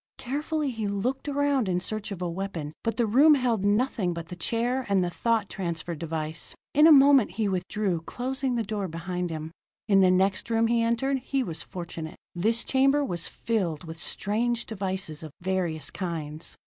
Carefully he looked around in search of a weapon, but the room held nothing but the chair and the thought transference device. In a moment he withdrew, closing the door behind him. In the next room he entered, he was fortunate. This chamber was filled with strange devices of various kinds.